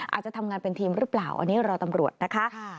อาจจะทำงานเป็นทีมหรือเปล่าอันนี้รอตำรวจนะคะ